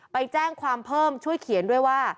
ไปแจ้งความเพิ่มช่วยเขียนด้วยว่า